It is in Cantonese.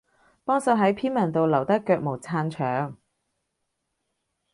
幫手喺篇文度留低腳毛撐場